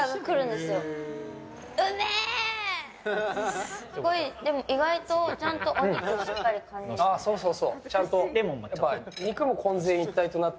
すごい、意外とちゃんとお肉をしっかり感じられて。